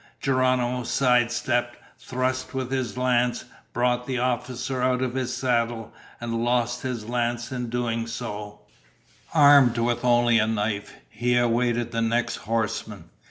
Geronimo sidestepped, thrust with his lance, brought the officer out of his saddle, and lost his lance in doing so. Armed with only a knife, he awaited the next horseman.